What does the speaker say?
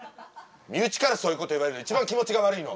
身内からそういうこと言われるの一番気持ちが悪いの。